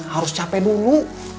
harus capek dulu